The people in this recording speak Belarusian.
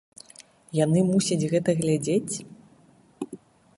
Яны мусяць гэта глядзець?